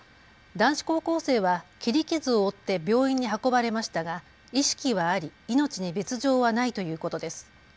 男子高校生は切り傷を負って病院に運ばれましたが意識はあり、命に別状はないということです。